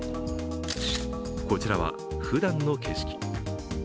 こちらは、ふだんの景色。